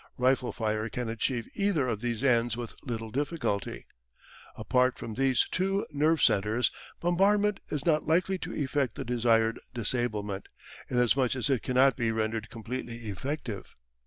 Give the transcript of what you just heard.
Rifle fire can achieve either of these ends with little difficulty. Apart from these two nerve centres, bombardment is not likely to effect the desired disablement, inasmuch as it cannot be rendered completely effective.